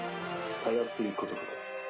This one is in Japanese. たやすいことかと。